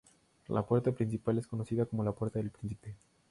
La puerta principal es conocida como la puerta del Príncipe.